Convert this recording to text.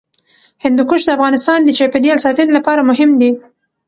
هندوکش د افغانستان د چاپیریال ساتنې لپاره مهم دي.